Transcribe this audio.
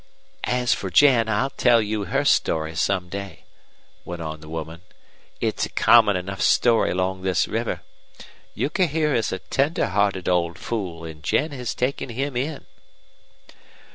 "As for Jen, I'll tell you her story some day," went on the woman. "It's a common enough story along this river. Euchre here is a tender hearted old fool, and Jen has taken him in."